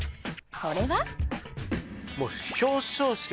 それは？